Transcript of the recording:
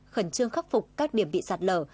khẩn trương khắc phục các điểm bị sạt lở